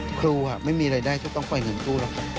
ผมคลุอ่ะไม่มีรายได้ก็ต้องปล่อยจนรวมกู้